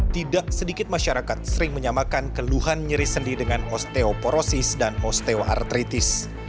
tidak sedikit masyarakat sering menyamakan keluhan nyeri sendi dengan osteoporosis dan osteoartritis